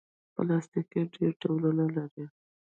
پلاستيک ډېر ډولونه لري.